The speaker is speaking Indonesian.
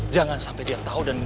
jangan sampai dia tahu